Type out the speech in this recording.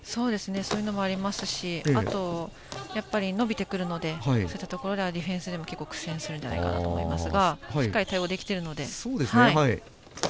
そういうのもありますし伸びてくるのでそういったところでディフェンスでは苦戦するんじゃないかと思うんですがしっかり対応でき照るので。